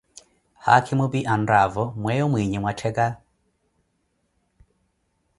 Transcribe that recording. Haakhimo phi anraavo myeeyo mwiiyi mwa ttekka.